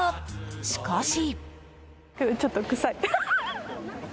しかし。